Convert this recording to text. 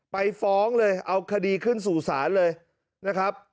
ไปฟ้องเลยเอาคดีขึ้นสู่ศาลเลยนะครับ